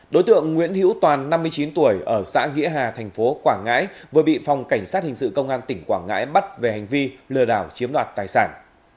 đối tượng nguyễn hữu toàn năm mươi chín tuổi ở xã nghĩa hà thành phố quảng ngãi vừa bị phòng cảnh sát hình sự công an tỉnh quảng ngãi bắt về hành vi lừa đảo chiếm đoạt tài sản